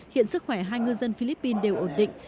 hiện sức khỏe hai ngư dân philippines đều ổn định